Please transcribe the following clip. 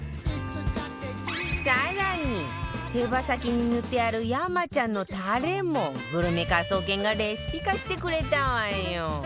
更に手羽先に塗ってある山ちゃんのタレもグルメ科捜研がレシピ化してくれたわよ